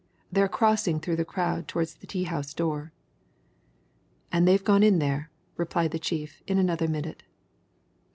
They're crossing through the crowd towards the tea house door." "And they've gone in there," replied the chief in another minute.